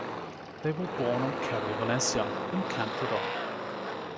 They were born on Carrer València, in Camprodon.